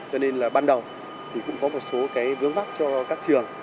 cho nên là ban đầu thì cũng có một số cái vướng vắc cho các trường